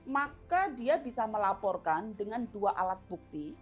maka dia bisa melaporkan dengan dua alat bukti